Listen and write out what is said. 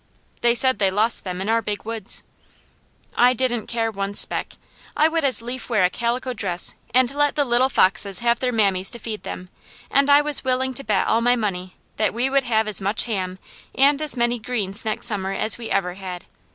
They said they lost them in our Big Woods. I didn't care one speck. I would as lief wear a calico dress, and let the little foxes have their mammies to feed them; and I was willing to bet all my money that we would have as much ham, and as many greens next summer as we ever had.